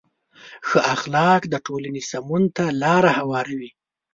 ښه اخلاق د ټولنې سمون ته لاره هواروي.